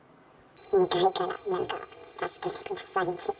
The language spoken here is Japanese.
２階からなんか、助けてくださいって。